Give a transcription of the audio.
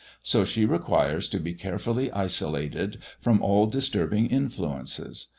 So she requires to be carefully isolated from all disturbing influences.